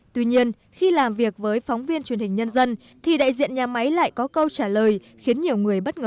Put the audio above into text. tuy nhiên khi làm việc với phóng viên truyền hình nhân dân thì đại diện nhà máy lại có câu trả lời khiến nhiều người bất ngờ